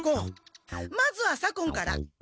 まずは左近から。